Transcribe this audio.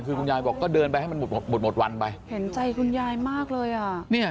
คุณยายบอกก็เดินไปให้มันหมดวันไปเห็นใจคุณยายมากเลย